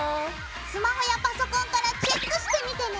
スマホやパソコンからチェックしてみてね。